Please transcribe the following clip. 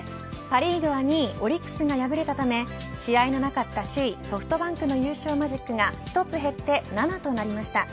パ・リーグは２位オリックスが敗れたため試合のなかった首位ソフトバンクの優勝マジックが１つ減って７となりました。